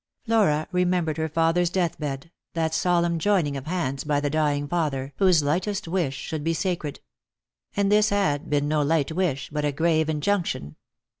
Flora remembered her father's death bed, that solemn joining of hands by the dying father, whose lightest wish should be sacred. And this had been no light wish, but a grave injunction.